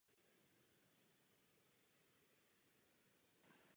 Poprvé tak bylo vybráno za hostitele Ryder Cupu evropské hřiště mimo Britské ostrovy.